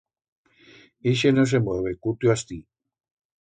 Ixe no se mueve, cutio astí.